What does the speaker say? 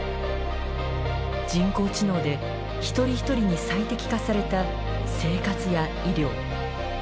人工知能で一人一人に最適化された生活や医療。